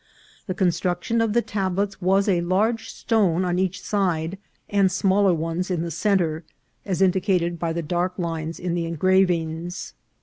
The construction of the tablets was a large stone on each side, and smaller ones in the centre, as indicated by the dark lines in the engravings.